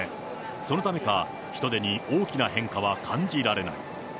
そのためか、人出に大きな変化は感じられない。